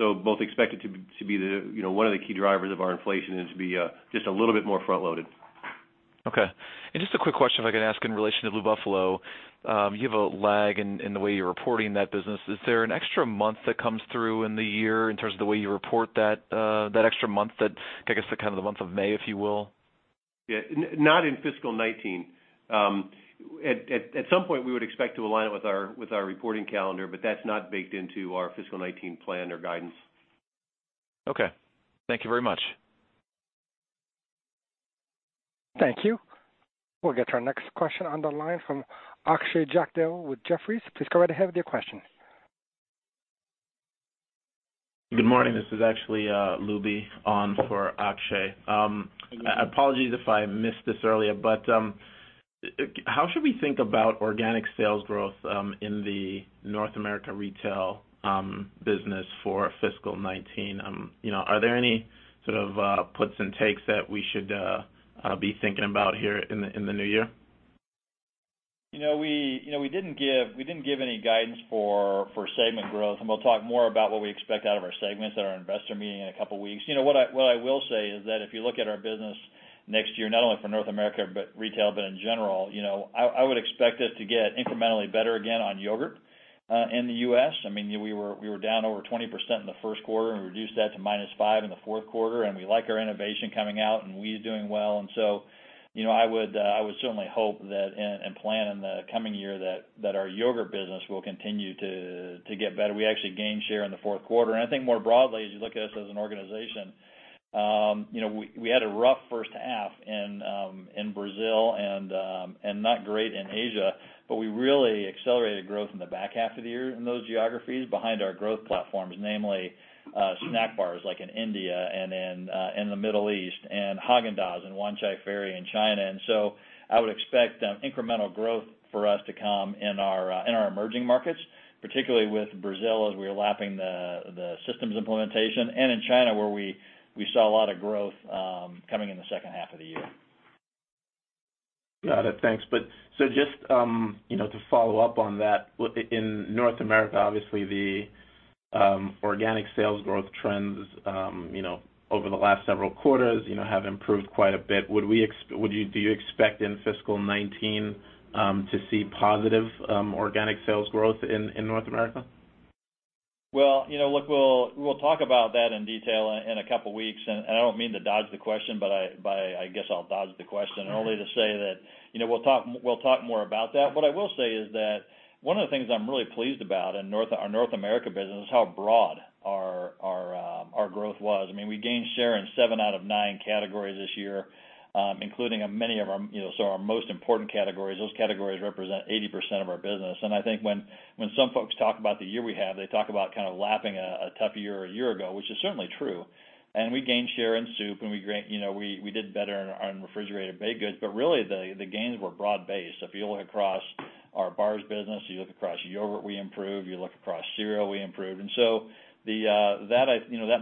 Both expect it to be one of the key drivers of our inflation and to be just a little bit more front-loaded.
Okay. Just a quick question, if I could ask in relation to Blue Buffalo. You have a lag in the way you're reporting that business. Is there an extra month that comes through in the year in terms of the way you report that extra month that, I guess the kind of the month of May, if you will?
Yeah. Not in fiscal 2019. At some point, we would expect to align it with our reporting calendar, that's not baked into our fiscal 2019 plan or guidance.
Okay. Thank you very much.
Thank you. We'll get to our next question on the line from Akshay Jagdale with Jefferies. Please go right ahead with your question.
Good morning. This is actually Lubi on for Akshay. Apologies if I missed this earlier, how should we think about organic sales growth in the North America Retail business for fiscal 2019? Are there any sort of puts and takes that we should be thinking about here in the new year?
We didn't give any guidance for segment growth. We'll talk more about what we expect out of our segments at our investor meeting in a couple of weeks. What I will say is that if you look at our business next year, not only for North America Retail, but in general, I would expect us to get incrementally better again on yogurt, in the U.S. We were down over 20% in the first quarter and reduced that to -5% in the fourth quarter. We like our innovation coming out and wheat is doing well. I would certainly hope that, and plan in the coming year that our yogurt business will continue to get better. We actually gained share in the fourth quarter. I think more broadly, as you look at us as an organization, we had a rough first half in Brazil and not great in Asia. We really accelerated growth in the back half of the year in those geographies behind our growth platforms, namely snack bars like in India and in the Middle East and Häagen-Dazs and Wanchai Ferry in China. I would expect incremental growth for us to come in our emerging markets, particularly with Brazil, as we are lapping the systems implementation and in China where we saw a lot of growth coming in the second half of the year.
Got it, thanks. Just to follow up on that, in North America, obviously the organic sales growth trends over the last several quarters have improved quite a bit. Do you expect in fiscal 2019 to see positive organic sales growth in North America?
Well, look, we'll talk about that in detail in a couple of weeks. I don't mean to dodge the question, I guess I'll dodge the question only to say that we'll talk more about that. What I will say is that one of the things I'm really pleased about in our North America Retail business is how broad our growth was. We gained share in seven out of nine categories this year, including many of our most important categories. Those categories represent 80% of our business. I think when some folks talk about the year we had, they talk about kind of lapping a tough year a year ago, which is certainly true. We gained share in Progresso Soup and we did better on refrigerated baked goods. Really, the gains were broad-based. If you look across our bars business, you look across Yoplait, we improved. You look across cereal, we improved. That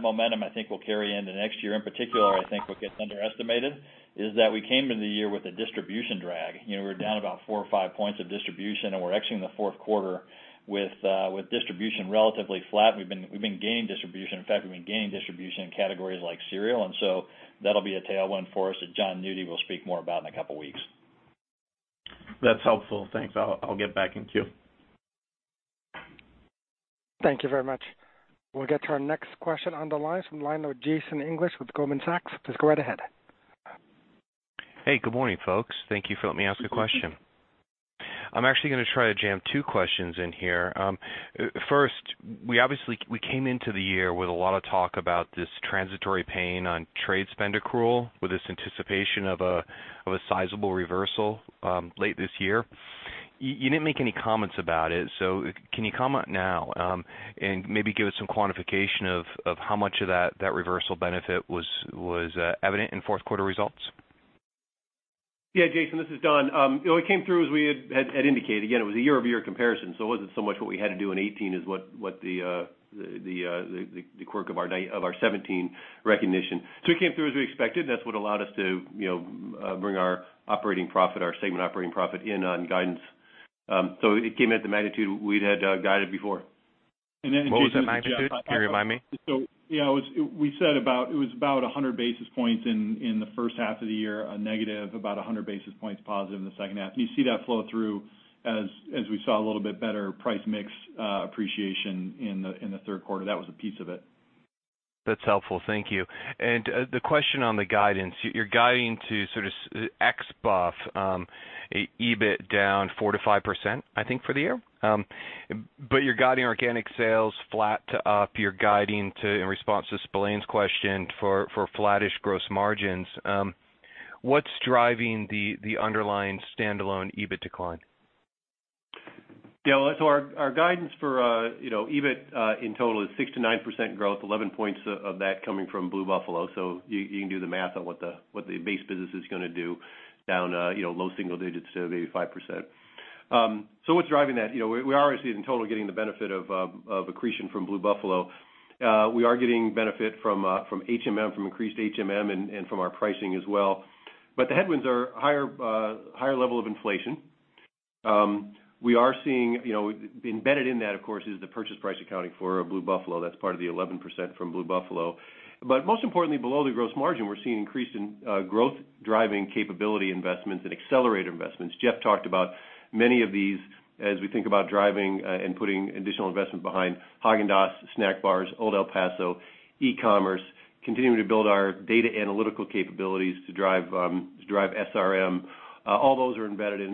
momentum I think will carry into next year. In particular, I think what gets underestimated is that we came into the year with a distribution drag. We were down about four or five points of distribution, and we're exiting the fourth quarter with distribution relatively flat. We've been gaining distribution. In fact, we've been gaining distribution in categories like cereal, so that'll be a tailwind for us that Jon Nudi will speak more about in a couple of weeks.
That's helpful. Thanks. I'll get back in queue.
Thank you very much. We'll get to our next question on the line from the line of Jason English with Goldman Sachs. Please go right ahead.
Hey, good morning, folks. Thank you for letting me ask a question. I'm actually going to try to jam two questions in here. First, we obviously came into the year with a lot of talk about this transitory pain on trade spend accrual with this anticipation of a sizable reversal late this year. You didn't make any comments about it, so can you comment now and maybe give us some quantification of how much of that reversal benefit was evident in fourth quarter results?
Yeah, Jason, this is Don. It came through as we had indicated. Again, it was a year-over-year comparison, so it wasn't so much what we had to do in 2018 as what the quirk of our 2017 recognition. It came through as we expected, and that's what allowed us to bring our segment operating profit in on guidance. It came at the magnitude we'd had guided before.
What was the magnitude? Can you remind me?
Yeah, we said it was about 100 basis points in the first half of the year negative, about 100 basis points positive in the second half, and you see that flow through as we saw a little bit better price mix appreciation in the third quarter. That was a piece of it.
That's helpful. Thank you. The question on the guidance, you're guiding to sort of ex-BUFF, EBIT down 4%-5%, I think, for the year. You're guiding organic sales flat to up. You're guiding to, in response to Spillane's question, for flattish gross margins. What's driving the underlying standalone EBIT decline?
Our guidance for EBIT in total is 6%-9% growth, 11 points of that coming from Blue Buffalo. You can do the math on what the base business is going to do down low single digits to maybe 5%. What's driving that? We are obviously, in total, getting the benefit of accretion from Blue Buffalo. We are getting benefit from increased HMM and from our pricing as well. The headwinds are higher level of inflation. Embedded in that, of course, is the purchase price accounting for Blue Buffalo. That's part of the 11% from Blue Buffalo. Most importantly, below the gross margin, we're seeing increase in growth driving capability investments and accelerator investments. Jeff talked about many of these as we think about driving and putting additional investment behind Häagen-Dazs, snack bars, Old El Paso, e-commerce. Continuing to build our data analytical capabilities to drive SRM. All those are embedded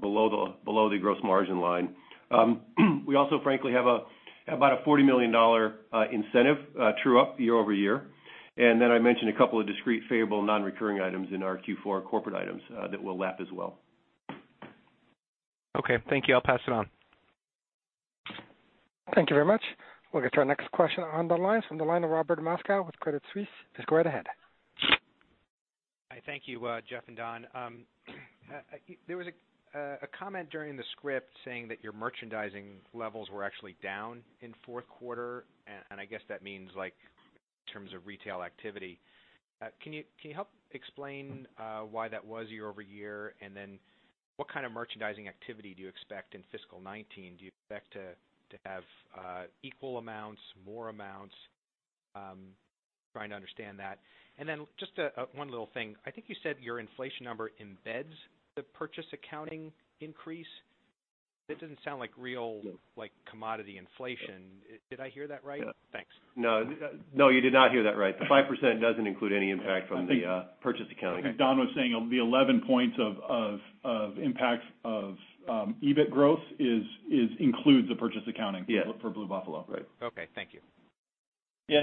below the gross margin line. We also frankly have about a $40 million incentive true up year-over-year. Then I mentioned a couple of discrete favorable non-recurring items in our Q4 corporate items that will lap as well.
Okay, thank you. I'll pass it on.
Thank you very much. We'll get to our next question on the line from the line of Robert Moskow with Credit Suisse. Please go right ahead.
Hi. Thank you, Jeff and Don. There was a comment during the script saying that your merchandising levels were actually down in fourth quarter, and I guess that means in terms of retail activity. Can you help explain why that was year-over-year? What kind of merchandising activity do you expect in fiscal 2019? Do you expect to have equal amounts, more amounts? I'm trying to understand that. Just one little thing. I think you said your inflation number embeds the purchase accounting increase. That doesn't sound like real-
Yes
commodity inflation. Did I hear that right?
Yeah.
Thanks.
No, you did not hear that right. The 5% doesn't include any impact from the purchase accounting.
I think Don was saying the 11 points of impact of EBIT growth includes the purchase accounting.
Yes
For Blue Buffalo.
Right.
Okay, thank you.
Yeah,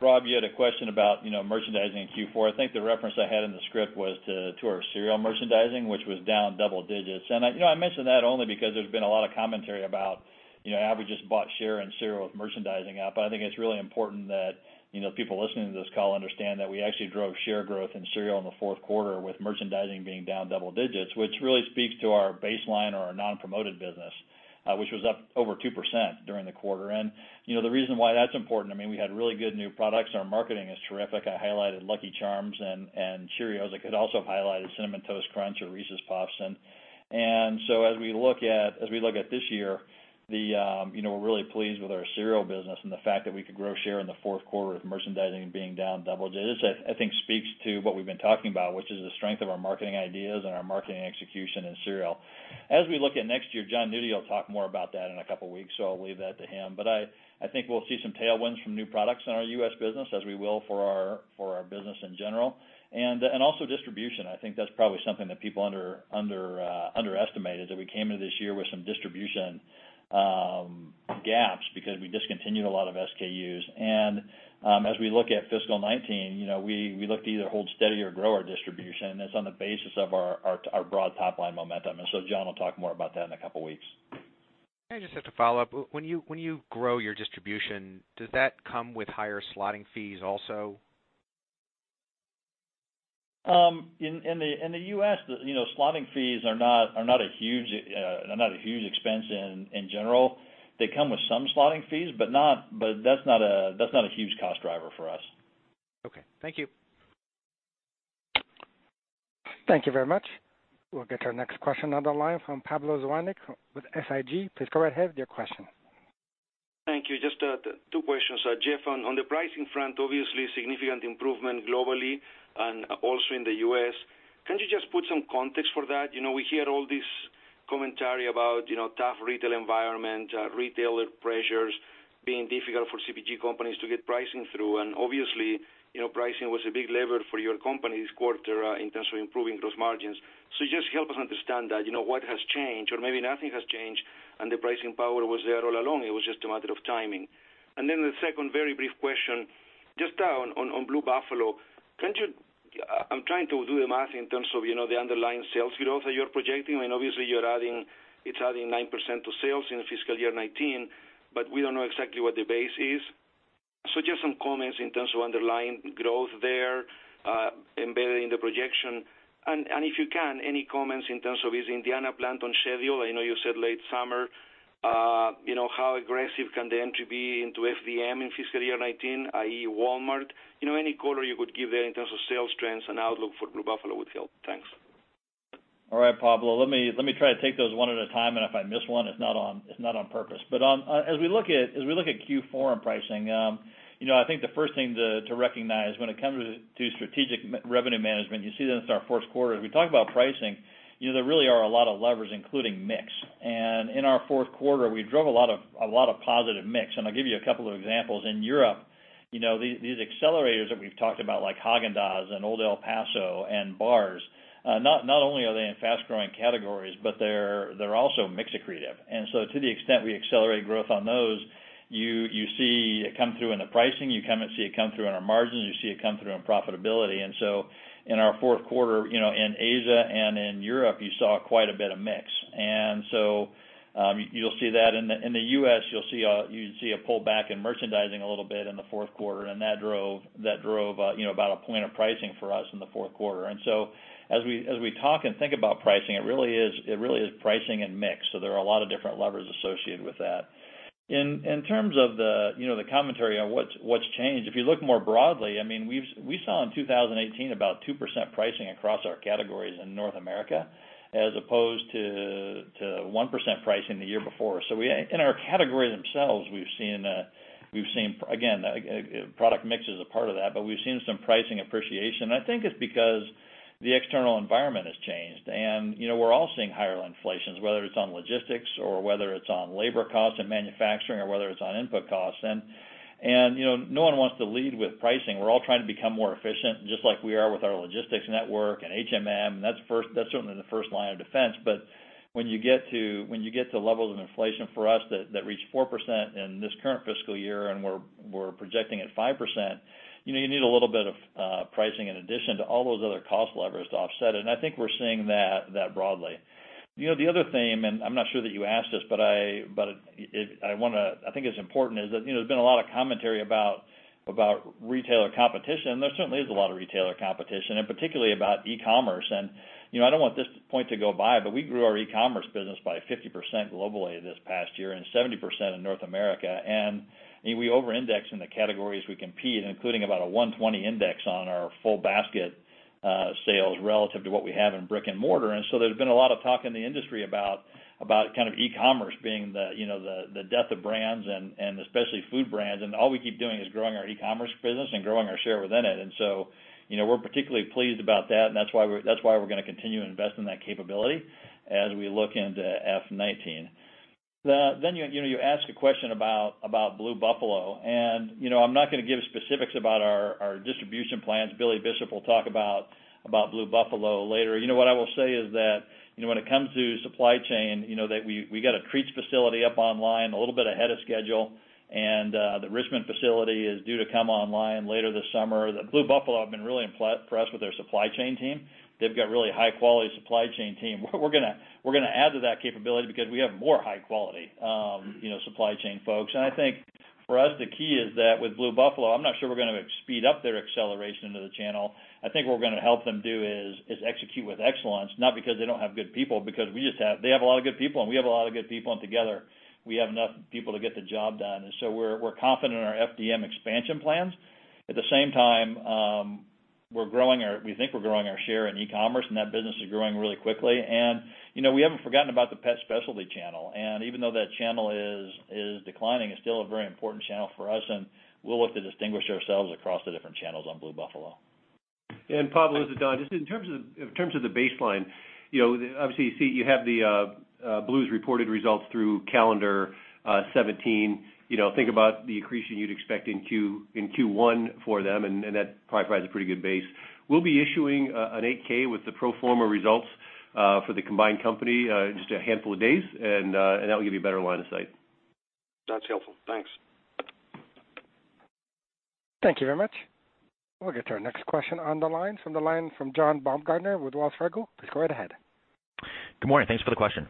Rob, you had a question about merchandising in Q4. I think the reference I had in the script was to our cereal merchandising, which was down double digits. I mentioned that only because there's been a lot of commentary about how we just bought share and cereal with merchandising up. I think it's really important that people listening to this call understand that we actually drove share growth in cereal in the fourth quarter with merchandising being down double digits, which really speaks to our baseline or our non-promoted business, which was up over 2% during the quarter. I mean, we had really good new products. Our marketing is terrific. I highlighted Lucky Charms and Cheerios. I could also have highlighted Cinnamon Toast Crunch or Reese's Puffs. As we look at this year, we're really pleased with our cereal business and the fact that we could grow share in the fourth quarter with merchandising being down double digits, I think speaks to what we've been talking about, which is the strength of our marketing ideas and our marketing execution in cereal. As we look at next year, Jon Nudi will talk more about that in a couple of weeks, so I'll leave that to him. I think we'll see some tailwinds from new products in our U.S. business as we will for our business in general. Also distribution, I think that's probably something that people underestimated, that we came into this year with some distribution gaps because we discontinued a lot of SKUs. As we look at fiscal 2019, we look to either hold steady or grow our distribution that's on the basis of our broad top-line momentum. Jon will talk more about that in a couple of weeks.
I just have to follow up. When you grow your distribution, does that come with higher slotting fees also?
In the U.S., slotting fees are not a huge expense in general. They come with some slotting fees, but that's not a huge cost driver for us.
Okay. Thank you.
Thank you very much. We'll get to our next question on the line from Pablo Zuanic with SIG. Please go right ahead with your question.
Thank you. Just two questions. Jeff, on the pricing front, obviously significant improvement globally and also in the U.S. Can you just put some context for that? We hear all this commentary about tough retail environment, retailer pressures being difficult for CPG companies to get pricing through, and obviously, pricing was a big lever for your company this quarter in terms of improving those margins. Just help us understand that, what has changed, or maybe nothing has changed and the pricing power was there all along, it was just a matter of timing. The second very brief question, just on Blue Buffalo. I'm trying to do the math in terms of the underlying sales growth that you're projecting. I mean, obviously it's adding 9% to sales in fiscal year 2019, but we don't know exactly what the base is. Just some comments in terms of underlying growth there, embedded in the projection. If you can, any comments in terms of is the Indiana plant on schedule? I know you said late summer. How aggressive can the entry be into FDM in fiscal year 2019, i.e., Walmart? Any color you would give there in terms of sales trends and outlook for Blue Buffalo would help. Thanks.
All right, Pablo, let me try to take those one at a time, if I miss one, it's not on purpose. As we look at Q4 on pricing, I think the first thing to recognize when it comes to strategic revenue management, you see this in our fourth quarter, as we talk about pricing, there really are a lot of levers, including mix. In our fourth quarter, we drove a lot of positive mix, I'll give you a couple of examples. In Europe, these accelerators that we've talked about, like Häagen-Dazs and Old El Paso and bars, not only are they in fast-growing categories, but they're also mix accretive. To the extent we accelerate growth on those, you see it come through in the pricing, you see it come through in our margins, you see it come through in profitability. In our fourth quarter, in Asia and in Europe, you saw quite a bit of mix. You'll see that in the U.S., you'd see a pullback in merchandising a little bit in the fourth quarter, and that drove about a point of pricing for us in the fourth quarter. As we talk and think about pricing, it really is pricing and mix. There are a lot of different levers associated with that. In terms of the commentary on what's changed, if you look more broadly, I mean, we saw in 2018 about 2% pricing across our categories in North America as opposed to 1% pricing the year before. In our categories themselves, we've seen, again, product mix is a part of that, but we've seen some pricing appreciation. I think it's because the external environment has changed, we're all seeing higher inflations, whether it's on logistics or whether it's on labor costs and manufacturing or whether it's on input costs. No one wants to lead with pricing. We're all trying to become more efficient, just like we are with our logistics network and HMM, that's certainly the first line of defense. When you get to levels of inflation for us that reach 4% in this current fiscal year and we're projecting at 5%, you need a little bit of pricing in addition to all those other cost levers to offset it. I think we're seeing that broadly. The other theme, I'm not sure that you asked this, but I think it's important, is that there's been a lot of commentary about retailer competition. There certainly is a lot of retailer competition, particularly about e-commerce. I don't want this point to go by, but we grew our e-commerce business by 50% globally this past year and 70% in North America. We over-index in the categories we compete, including about a 120 index on our full basket sales relative to what we have in brick and mortar. There's been a lot of talk in the industry about e-commerce being the death of brands and especially food brands, all we keep doing is growing our e-commerce business and growing our share within it. We're particularly pleased about that's why we're going to continue to invest in that capability as we look into F19. You asked a question about Blue Buffalo, I'm not going to give specifics about our distribution plans. Billy Bishop will talk about Blue Buffalo later. What I will say is that when it comes to supply chain, that we got a treats facility up online a little bit ahead of schedule, and the Richmond facility is due to come online later this summer. The Blue Buffalo have been really impressed with their supply chain team. They've got really high quality supply chain team. We're going to add to that capability because we have more high quality supply chain folks. I think for us, the key is that with Blue Buffalo, I'm not sure we're going to speed up their acceleration into the channel. I think what we're going to help them do is execute with excellence, not because they don't have good people, because they have a lot of good people, and we have a lot of good people, and together we have enough people to get the job done. We're confident in our FDM expansion plans. At the same time, we think we're growing our share in e-commerce, and that business is growing really quickly. We haven't forgotten about the pet specialty channel. Even though that channel is declining, it's still a very important channel for us, and we'll look to distinguish ourselves across the different channels on Blue Buffalo.
Pablo, this is Don. Just in terms of the baseline, obviously you see you have the Blue's reported results through calendar 2017. Think about the accretion you'd expect in Q1 for them, and that probably provides a pretty good base. We'll be issuing an 8-K with the pro forma results for the combined company in just a handful of days, and that'll give you a better line of sight.
That's helpful. Thanks.
Thank you very much. We'll get to our next question on the line from John Baumgartner with Wells Fargo. Please go right ahead.
Good morning. Thanks for the question.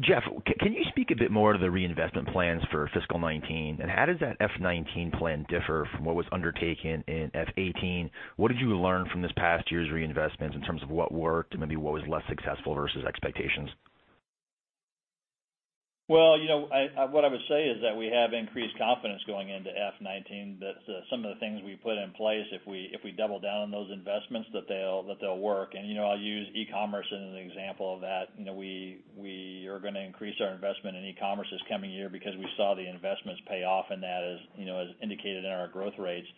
Jeff, can you speak a bit more to the reinvestment plans for fiscal 2019, how does that FY 2019 plan differ from what was undertaken in FY 2018? What did you learn from this past year's reinvestments in terms of what worked and maybe what was less successful versus expectations?
Well, what I would say is that we have increased confidence going into FY 2019 that some of the things we put in place, if we double down on those investments, that they'll work. I'll use e-commerce as an example of that. We are going to increase our investment in e-commerce this coming year because we saw the investments pay off in that as indicated in our growth rates.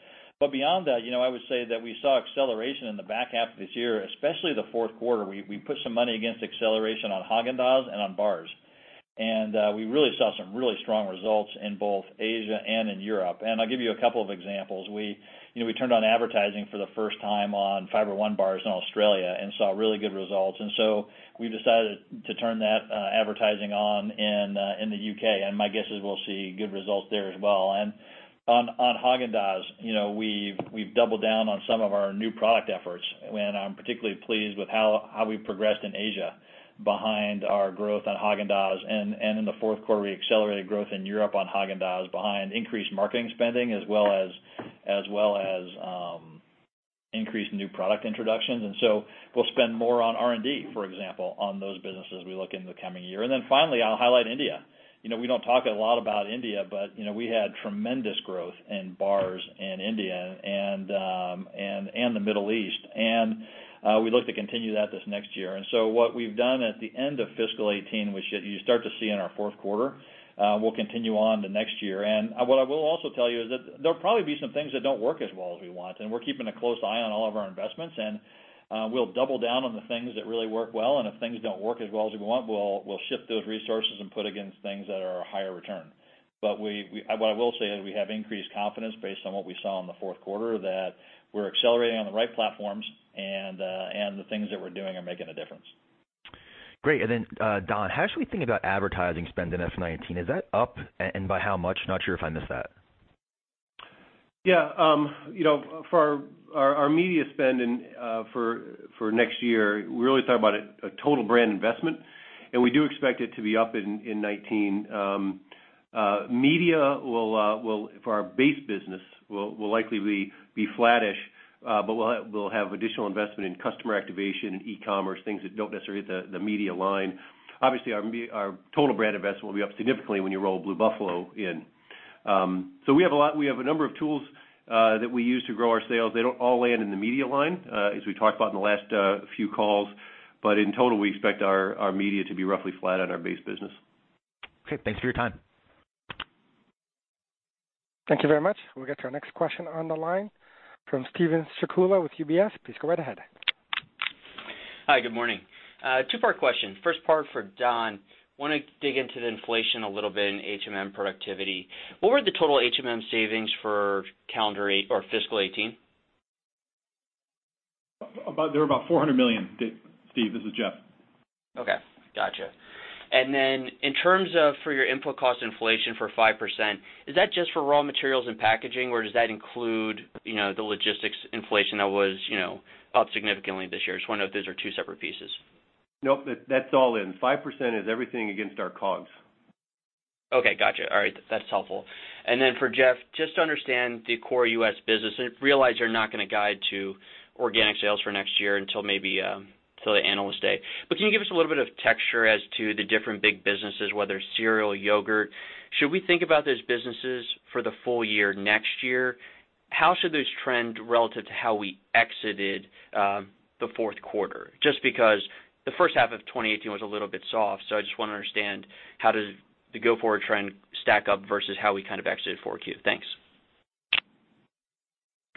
Beyond that, I would say that we saw acceleration in the back half of this year, especially the fourth quarter. We put some money against acceleration on Häagen-Dazs and on bars. We really saw some really strong results in both Asia and in Europe. I'll give you a couple of examples. We turned on advertising for the first time on Fiber One bars in Australia and saw really good results. We decided to turn that advertising on in the U.K., my guess is we'll see good results there as well. On Häagen-Dazs, we've doubled down on some of our new product efforts, I'm particularly pleased with how we've progressed in Asia behind our growth on Häagen-Dazs. In the fourth quarter, we accelerated growth in Europe on Häagen-Dazs behind increased marketing spending as well as increased new product introductions. We'll spend more on R&D, for example, on those businesses we look into the coming year. Finally, I'll highlight India. We don't talk a lot about India, but we had tremendous growth in bars in India and the Middle East. We look to continue that this next year. What we've done at the end of fiscal 2018, which you start to see in our fourth quarter, we'll continue on to next year. What I will also tell you is that there'll probably be some things that don't work as well as we want, and we're keeping a close eye on all of our investments, and we'll double down on the things that really work well. If things don't work as well as we want, we'll shift those resources and put against things that are higher return. What I will say is we have increased confidence based on what we saw in the fourth quarter that we're accelerating on the right platforms and the things that we're doing are making a difference.
Great. Then, Don, how should we think about advertising spend in FY 2019? Is that up and by how much? Not sure if I missed that.
Yeah. For our media spend and for next year, we're really talking about a total brand investment, and we do expect it to be up in 2019. Media, for our base business, will likely be flattish, but we'll have additional investment in customer activation and e-commerce, things that don't necessarily hit the media line. Obviously, our total brand investment will be up significantly when you roll Blue Buffalo in. We have a number of tools that we use to grow our sales. They don't all land in the media line as we talked about in the last few calls. In total, we expect our media to be roughly flat on our base business.
Okay, thanks for your time.
Thank you very much. We'll get to our next question on the line from Steven Strycula with UBS. Please go right ahead.
Hi, good morning. Two-part question. First part for Don, want to dig into the inflation a little bit and HMM productivity. What were the total HMM savings for fiscal 2018?
They were about $400 million, Steve. This is Jeff.
Then in terms of for your input cost inflation for 5%, is that just for raw materials and packaging or does that include the logistics inflation that was up significantly this year? Just wonder if those are two separate pieces.
Nope, that's all in. 5% is everything against our COGS.
Okay, got you. All right. That's helpful. For Jeff, just to understand the core U.S. business and realize you're not going to guide to organic sales for next year until maybe the analyst day. Can you give us a little bit of texture as to the different big businesses, whether cereal, yogurt? Should we think about those businesses for the full year next year? How should those trend relative to how we exited the fourth quarter? Just because the first half of 2018 was a little bit soft, so I just want to understand how does the go-forward trend stack up versus how we kind of exited 4Q. Thanks.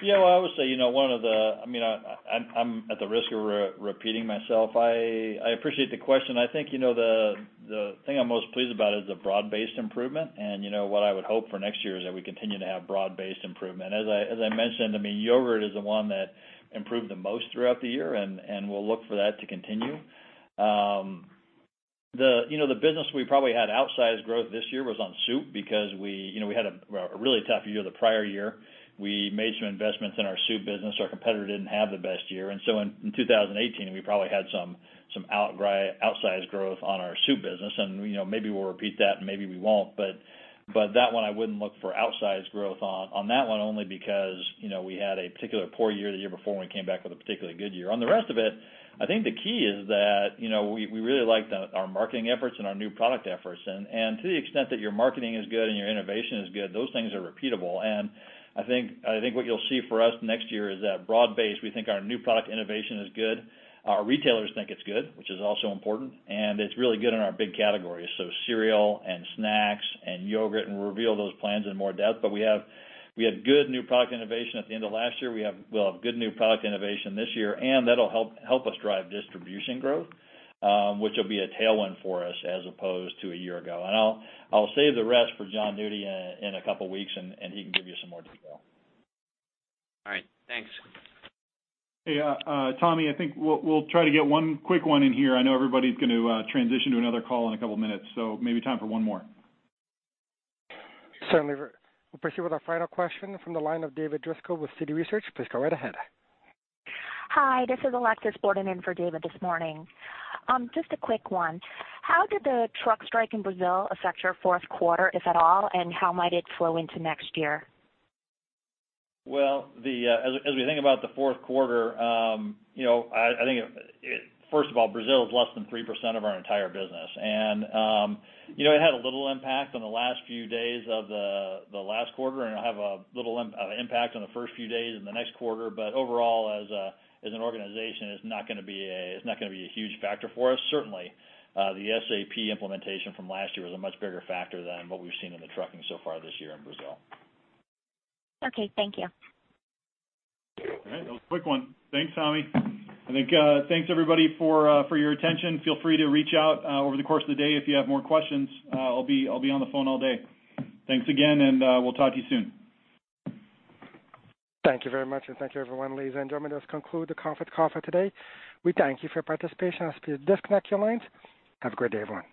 Yeah, well, I would say, at the risk of repeating myself, I appreciate the question. I think the thing I'm most pleased about is the broad-based improvement and what I would hope for next year is that we continue to have broad-based improvement. As I mentioned, yogurt is the one that improved the most throughout the year and we'll look for that to continue. The business we probably had outsized growth this year was on soup because we had a really tough year the prior year. We made some investments in our soup business. Our competitor didn't have the best year. In 2018, we probably had some outsized growth on our soup business and maybe we'll repeat that and maybe we won't, but that one I wouldn't look for outsized growth on that one only because we had a particular poor year the year before when we came back with a particularly good year. On the rest of it, I think the key is that we really like our marketing efforts and our new product efforts and to the extent that your marketing is good and your innovation is good, those things are repeatable. I think what you'll see for us next year is that broad-based, we think our new product innovation is good. Our retailers think it's good, which is also important. It's really good in our big categories, so cereal, snacks, and yogurt. We'll reveal those plans in more depth. We had good new product innovation at the end of last year. We'll have good new product innovation this year and that'll help us drive distribution growth, which will be a tailwind for us as opposed to a year ago. I'll save the rest for Jon Nudi in a couple of weeks and he can give you some more detail.
All right, thanks.
Hey, Tommy, I think we'll try to get one quick one in here. I know everybody's going to transition to another call in a couple of minutes. Maybe time for one more.
Certainly. We'll proceed with our final question from the line of David Driscoll with Citi Research. Please go right ahead.
Hi, this is Alexis Borden in for David this morning. Just a quick one. How did the truck strike in Brazil affect your fourth quarter, if at all, and how might it flow into next year?
Well, as we think about the fourth quarter, I think first of all, Brazil is less than 3% of our entire business. It had a little impact on the last few days of the last quarter and it'll have a little impact on the first few days in the next quarter, but overall as an organization it's not going to be a huge factor for us. Certainly, the SAP implementation from last year was a much bigger factor than what we've seen in the trucking so far this year in Brazil.
Okay, thank you.
All right, that was a quick one. Thanks, Tommy. I think thanks everybody for your attention. Feel free to reach out over the course of the day if you have more questions. I'll be on the phone all day. Thanks again and we'll talk to you soon.
Thank you very much and thank you everyone. Ladies and gentlemen, this conclude the conference call for today. We thank you for your participation. Please disconnect your lines. Have a great day, everyone.